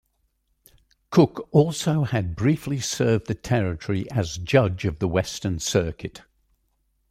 Cook also had briefly served the territory as judge of the western circuit.